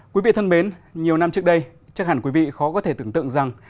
quý vị thân mến nhiều năm trước đây chắc hẳn quý vị khó có thể tưởng tượng rằng